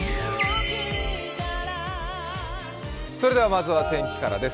まずは天気からです。